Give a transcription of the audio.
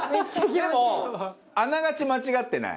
でもあながち間違ってない。